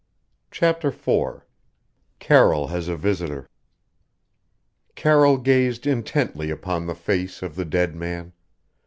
CHAPTER IV CARROLL HAS A VISITOR Carroll gazed intently upon the face of the dead man.